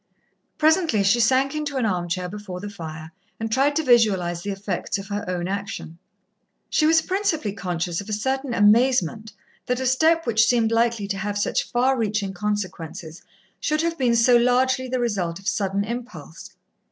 Presently she sank into an armchair before the fire, and tried to visualize the effects of her own action. She was principally conscious of a certain amazement, that a step which seemed likely to have such far reaching consequences should have been so largely the result of sudden impulse.